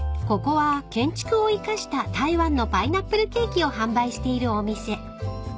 ［ここは建築を生かした台湾のパイナップルケーキを販売しているお店］